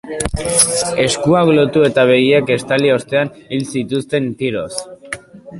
Eskuak lotu eta begiak estali ostean hil zituzten, tiroz.